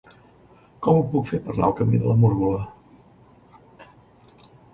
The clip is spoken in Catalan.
Com ho puc fer per anar al camí de la Múrgola?